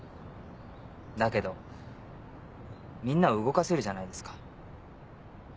だけどみんなを動かせるじゃないですか。